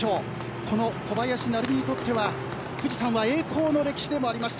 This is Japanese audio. この小林成美にとっては富士山は栄光の歴史でもありました。